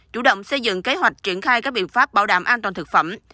chủ động xây dựng kế hoạch triển khai các biện pháp bảo đảm an toàn thực phẩm